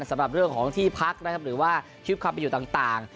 สำหรับเรื่องของที่พักนะครับหรือว่าคลิปความไปอยู่ต่าง